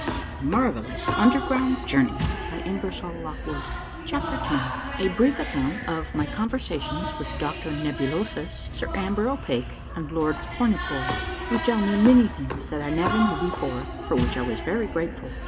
A MARVELLOUS UNDERGROUND JOURNEY 63 CHAPTER X A BRIEF ACCOUNT OF INIY CONVERSATIONS WITH DOCTOR NEBULOSUS, SIR AMBER O'PAKE, AND LORD CORNUCORE, WHO TELL ME ]SIANY THINGS THAT I NEVER KNEW BEFORE, FOR WHICH I WAS VERY GRATEFUL.